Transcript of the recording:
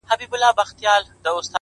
دوی پښتون غزل منلی په جهان دی.